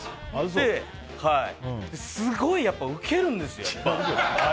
すごい、やっぱりウケるんですよ。